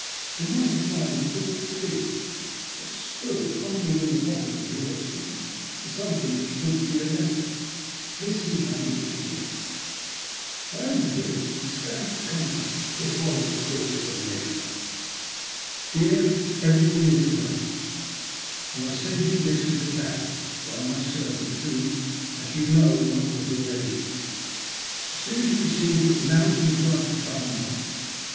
To my surprise, he did not speak, but stood fumbling in the pocket of his oilskin for something, which proved to be a letter. This he handed to me. 88 THE LUST OF HATE. I opened it and scanned its contents. It was, of course, from Nikola. " Deab — Everything if arranged, and I send you this, with the cab, by my serrant, who, as you know, will not reveal anything. As soon as you receive it, mount and drive to Pall Mall.